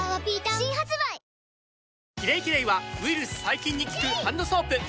新発売「キレイキレイ」はウイルス・細菌に効くハンドソープ！